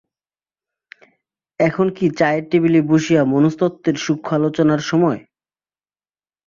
এখন কি চায়ের টেবিলে বসিয়া মনস্তত্ত্বের সূক্ষ্ম আলোচনার সময়?